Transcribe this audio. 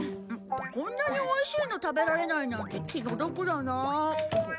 こんなにおいしいの食べられないなんて気の毒だなあ。